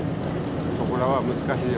そこらは難しいよ。